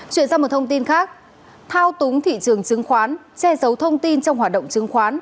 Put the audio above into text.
chuyển sang một thông tin khác thao túng thị trường chứng khoán che giấu thông tin trong hoạt động chứng khoán